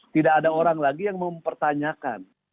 tidak ada orang lagi yang mempertanyakan